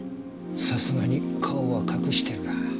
さすがに顔は隠してるか。